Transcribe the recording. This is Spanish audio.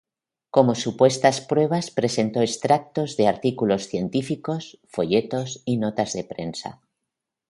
Como supuestas pruebas presentó extractos de artículos científicos, folletos y notas de prensa.